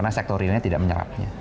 dan yang lainnya tidak menyerapnya